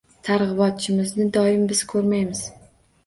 Targ‘ibotchimizni doim biz ko‘rmaymiz.